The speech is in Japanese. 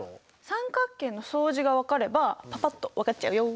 三角形の相似が分かればパパっと分かっちゃうよ。